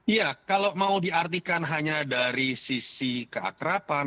iya kalau mau diartikan hanya dari sisi keakrapan